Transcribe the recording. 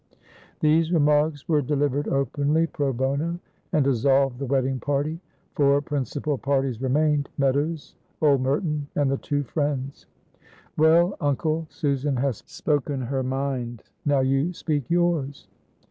These remarks were delivered openly, pro bono, and dissolved the wedding party. Four principal parties remained Meadows, old Merton, and the two friends. "Well, uncle, Susan has spoken her mind, now you speak yours."